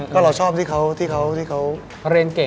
ก็เราชอบที่เขาเรียนเก่ง